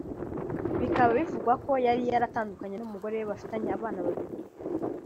bikaba bivugwa ko yari yaratandukanye n’ umugore bafitanye abana babiri